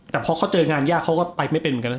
แต่พอเห็นงานยากก็ก็ไปเป็นไม่ได้